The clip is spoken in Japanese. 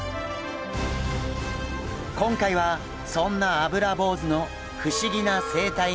今回はそんなアブラボウズの不思議な生態に迫ります！